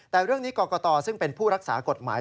แต่เรื่องนี้กรกตซึ่งเป็นผู้รักษากฎหมาย